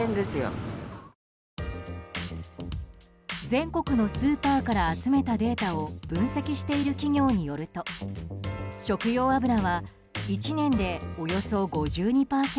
全国のスーパーから集めたデータを分析している企業によると食用油は１年でおよそ５２％